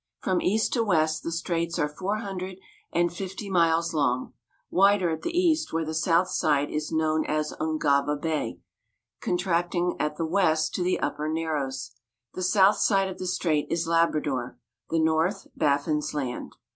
From east to west, the straits are four hundred and fifty miles long wider at the east where the south side is known as Ungava Bay, contracting at the west, to the Upper Narrows. The south side of the strait is Labrador; the north, Baffin's Land.